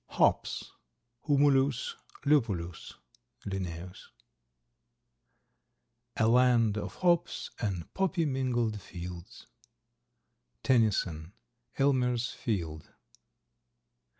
HOPS. (Humulus lupulus L.) "A land of hops and poppy mingled fields." —Tennyson: Aylmer's Field.